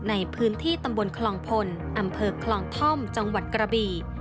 ในพื้นที่ตำบลคลองพลอำเภอคลองท่อมจังหวัดกระบี